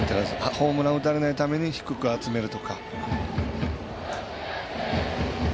ホームラン打たれないために低く集めるとか。